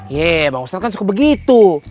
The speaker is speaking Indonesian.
ya bang ustadz kan suka begitu